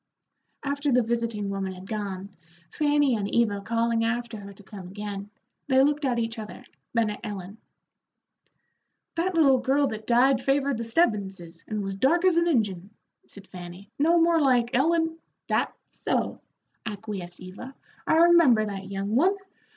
After the visiting woman had gone, Fanny and Eva calling after her to come again, they looked at each other, then at Ellen. "That little girl that died favored the Stebbinses, and was dark as an Injun," said Fanny, "no more like Ellen " "That's so," acquiesced Eva; "I remember that young one.